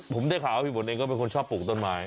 ผมได้ข่าวว่าพี่ฝนเองก็เป็นคนชอบปลูกต้นไม้